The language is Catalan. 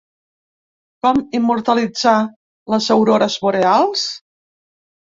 Com immortalitzar les aurores boreals?